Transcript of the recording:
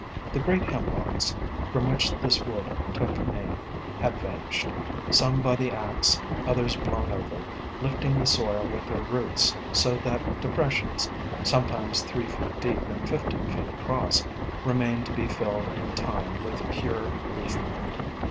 The great Hemlocks from which this wood took name had vanished, some by the axe, others blown over, lifting the soil with their roots so that de pressions, sometimes three feet deep and fifteen feet across, remained to be filled in time with pure leaf mold.